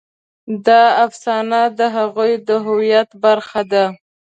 دا افسانه د هغوی د هویت برخه ده.